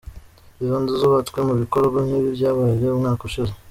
Izo nzu zubatswe mu bikorwa nk’ibi byabaye umwaka ushize.